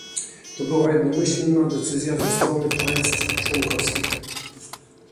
To była jednomyślna decyzja ze strony państw członkowskich